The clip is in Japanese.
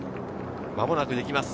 間もなくできます。